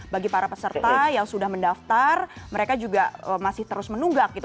bagi para peserta yang sudah mendaftar mereka juga masih terus menunggak gitu